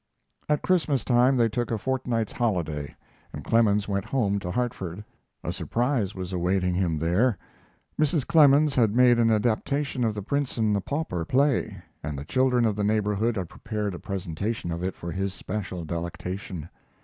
At Christmas time they took a fortnight's holiday and Clemens went home to Hartford. A surprise was awaiting him there. Mrs. Clemens had made an adaptation of 'The Prince and the Pauper' play, and the children of the neighborhood had prepared a presentation of it for his special delectation.